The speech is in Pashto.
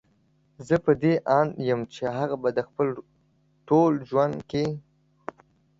زه په دې اند يم چې هغه به په خپل ټول ژوند کې